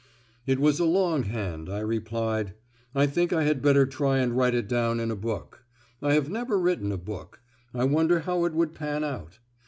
"It was a long hand," I replied; "I think I had better try and write it down in a book. I have never written a book. I wonder how it would pan out?